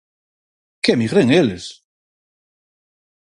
Que emigren eles!